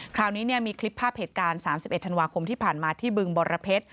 คราวนี้มีคลิปภาพเหตุการณ์๓๑ธันวาคมที่ผ่านมาที่บึงบรเพชร